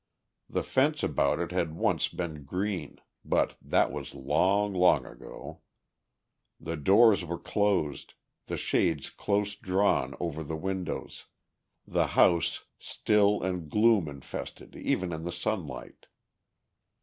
The fence about it had once been green, but that was long, long ago. The doors were closed, the shades close drawn over the windows, the house still and gloom infested even in the sunlight.